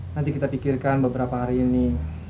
nanti kita pikirkan beberapa hari ini